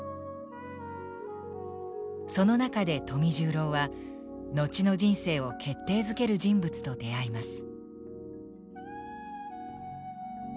その中で富十郎は後の人生を決定づける人物と出会います。